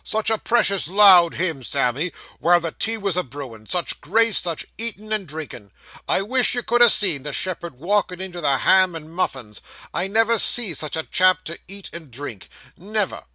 Such a precious loud hymn, Sammy, while the tea was a brewing; such a grace, such eatin' and drinkin'! I wish you could ha' seen the shepherd walkin' into the ham and muffins. I never see such a chap to eat and drink never.